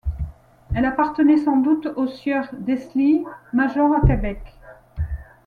Elle appartenait sans doute au Sieur d'Esgly, major à Québec.